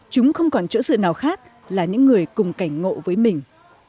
chúng không còn chỗ dựa nào khác là những người cùng cảnh ngộ với mình